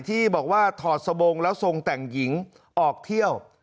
ที่บอกว่าถอดสบงแล้วทรงแต่งหญิงออกเที่ยว